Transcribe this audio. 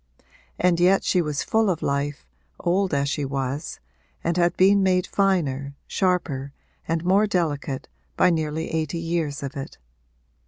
And yet she was full of life, old as she was, and had been made finer, sharper and more delicate, by nearly eighty years of it.